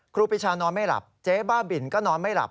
ครูปีชานอนไม่หลับเจ๊บ้าบินก็นอนไม่หลับ